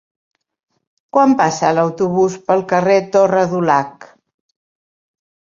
Quan passa l'autobús pel carrer Torre Dulac?